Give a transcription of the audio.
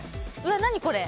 何これ？